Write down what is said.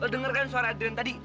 lo denger kan suara adrian tadi